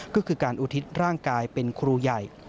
ก็คือการอุทิศร่างกายเป็นครูใหญ่